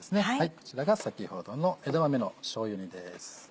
こちらが先ほどの枝豆のしょうゆ煮です。